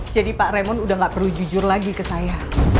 jadi pak remon udah gak perlu jujur lagi ke saya